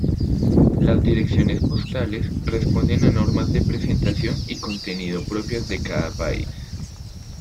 Las direcciones postales responden a normas de presentación y contenido propias de cada país.